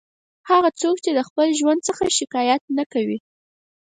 هغه څوک چې د خپل ژوند څخه شکایت نه کوي.